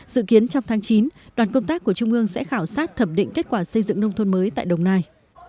dự kiến trong tháng chín đoàn công tác của trung ương sẽ khảo sát thẩm định kết quả xây dựng nông thôn mới tại đồng nai